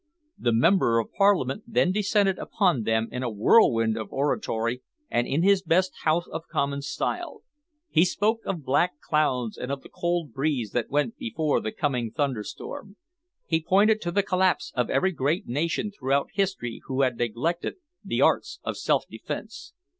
The Member of Parliament then descended upon them in a whirlwind of oratory and in his best House of Commons style. He spoke of black clouds and of the cold breeze that went before the coming thunderstorm. He pointed to the collapse of every great nation throughout history who had neglected the arts of self defence.